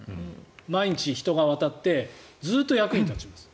毎日、人が渡ってずっと役に立ちます。